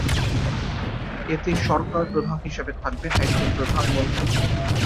এতে সরকার প্রধান হিসেবে থাকবেন একজন প্রধানমন্ত্রী।